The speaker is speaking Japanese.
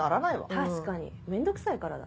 確かにめんどくさいからだ。